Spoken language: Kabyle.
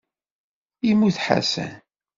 Immut Ḥasan.